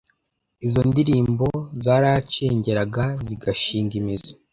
izo ndirimbo zaracengeraga zigashinga imizi